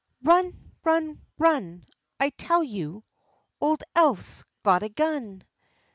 Run, run, run, I tell you, Ole Eph's got a gun.